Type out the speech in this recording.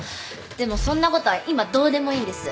でもそんなことは今どうでもいいんです。